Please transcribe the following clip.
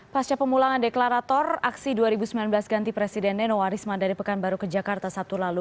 pasca pemulangan deklarator aksi dua ribu sembilan belas ganti presiden nenowarisman dari pekanbaru ke jakarta sabtu lalu